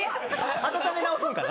温め直すんかな？